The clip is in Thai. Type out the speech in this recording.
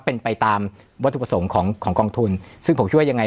เป็นไปตามวัตถุประสงค์ของของกองทุนซึ่งผมคิดว่ายังไง